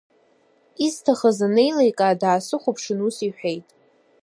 Исҭахыз анеиликаа, даасыхәаԥшын, ус иҳәеит…